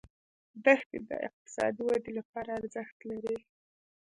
دښتې د اقتصادي ودې لپاره ارزښت لري.